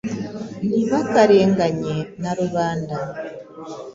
Ntibakarenganye na Rubanda !